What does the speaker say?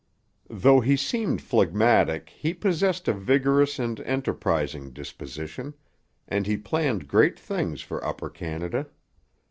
Though he seemed phlegmatic, he possessed a vigorous and enterprising disposition, and he planned great things for Upper Canada.